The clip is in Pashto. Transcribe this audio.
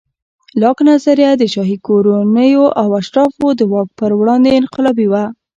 لاک نظریه د شاهي کورنیو او اشرافو د واک پر وړاندې انقلابي وه.